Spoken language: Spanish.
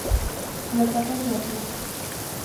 La tapa se abrió.